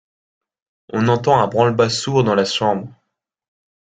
On entend un branle-bas sourd dans la chambre.